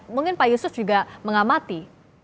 mungkin pak yusuf juga mengamati